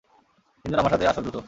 তিনজন আমার সাথে আসো, দ্রুত!